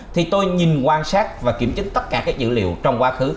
thì tôi nhìn quan sát và kiểm chứng tất cả các dữ liệu trong quá khứ